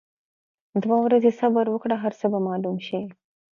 دوه ورځي صبر وکړه هرڅۀ به معلوم شي.